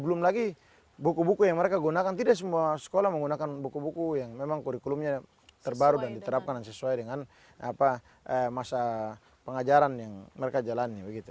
belum lagi buku buku yang mereka gunakan tidak semua sekolah menggunakan buku buku yang memang kurikulumnya terbaru dan diterapkan sesuai dengan masa pengajaran yang mereka jalani